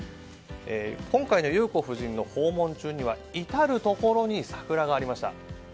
今回の裕子夫人の訪問中には至るところに桜がありました。